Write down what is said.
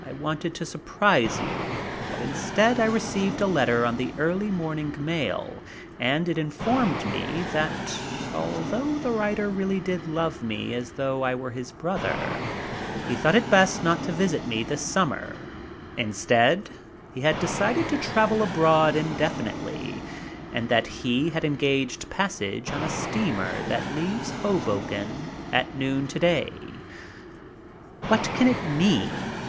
I wanted to surprise you, but instead I received a letter on the early morning mail and it informed me that, although the writer really did love me as though I were his brother, he thought it best not to visit me this summer; instead he had decided to travel abroad indefinitely and that he had engaged passage on a steamer that leaves Hoboken at noon today. What can it mean?"